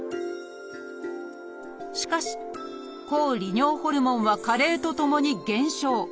しかし抗利尿ホルモンは加齢とともに減少。